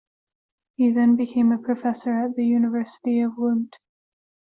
He then became a professor at the University of Lund.